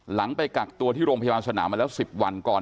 ไปกักตัวที่โรงพยาบาลสนามมาแล้ว๑๐วันก่อน